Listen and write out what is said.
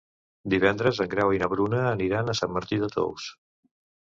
Divendres en Grau i na Bruna aniran a Sant Martí de Tous.